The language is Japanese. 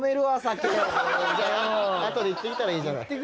後で行ってきたらいいじゃない。